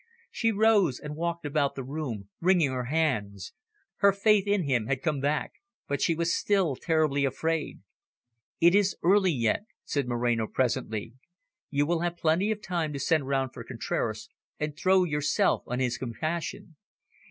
She rose and walked about the room, wringing her hands. Her faith in him had come back, but she was still terribly afraid. "It is early yet," said Moreno presently. "You have plenty of time to send round for Contraras and throw yourself on his compassion.